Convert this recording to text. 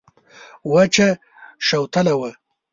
وچه شوتله وه.